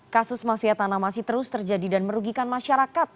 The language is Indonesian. kasus mafia tanah masih terus terjadi dan merugikan masyarakat